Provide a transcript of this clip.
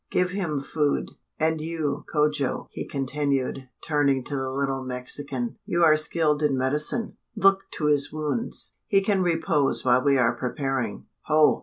Give him food. And you, Cojo!" he continued, turning to the little Mexican, "you are skilled in medicine look to his wounds! He can repose while we are preparing. Ho!